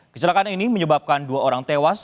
kecelakaan ini menyebabkan dua orang tewas